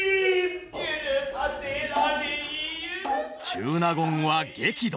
中納言は激怒！